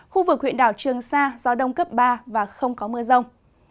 khu vực huyện đảo trường sa gió đông cấp ba và không có mưa rông